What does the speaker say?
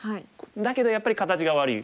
だけどやっぱり形が悪い。